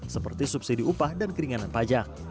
seperti subsidi upah dan keringanan pajak